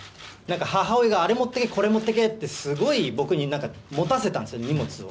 母親があれ持ってけ、これ持ってけって、すごい僕になんか、持たせたんですよ、荷物を。